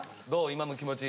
今の気持ち。